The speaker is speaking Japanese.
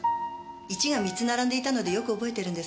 １が３つ並んでいたのでよく覚えているんです。